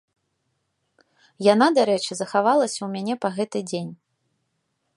Яна, дарэчы, захавалася ў мяне па гэты дзень.